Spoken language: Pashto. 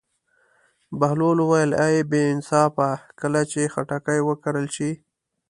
بهلول وویل: ای بې انصافه کله چې خټکی وکرل شي.